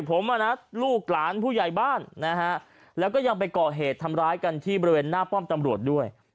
ผมลูกหลานผู้ใหญ่บ้านแล้วก็ไปเกาะเหตุทำร้ายกันที่บริเวณหน้าพ่อมตำรวจด้วย